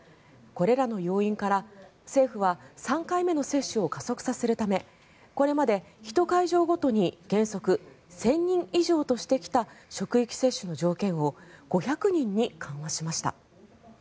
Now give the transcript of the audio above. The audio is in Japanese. これらの要因から政府は３回目の接種を加速させるためこれまで１会場ごとに原則１０００人以上としてきた職域接種の条件を５００人に緩和しました。